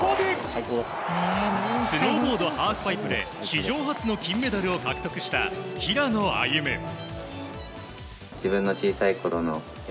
スノーボード・ハーフパイプで史上初の金メダルを獲得した平野歩夢選手。